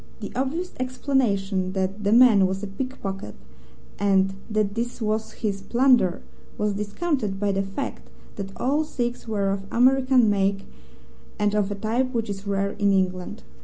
The obvious explanation that the man was a pickpocket, and that this was his plunder, was discounted by the fact that all six were of American make and of a type which is rare in England.